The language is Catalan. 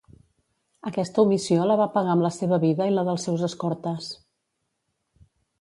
Aquesta omissió la va pagar amb la seva vida i la dels seus escortes.